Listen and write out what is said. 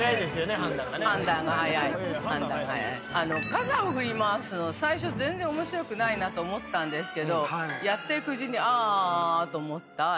傘を振り回すの最初全然面白くないなと思ったんですけどやっていくうちに「ああ」と思った。